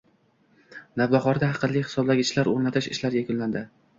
Navbahorda “aqlli” hisoblagichlar o‘rnatish ishlari yakunlanding